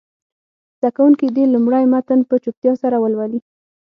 زده کوونکي دې لومړی متن په چوپتیا سره ولولي.